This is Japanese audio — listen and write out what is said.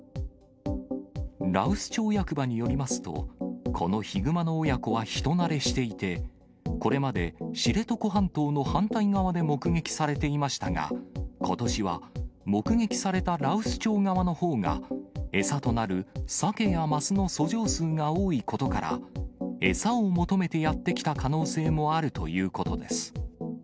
羅臼町役場によりますと、このヒグマの親子は人慣れしていて、これまで知床半島の反対側で目撃されていましたが、ことしは、目撃された羅臼町側のほうが、餌となるサケやマスの遡上数が多いことから、餌を求めてやって来た可能性もあるということです。